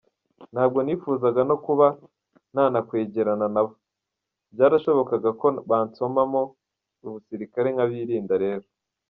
Ntabwo nifuzaga no kuba nanakwegerana nabo, byarashobokaga ko bansomamo ubusirikare, nkabirinda rero.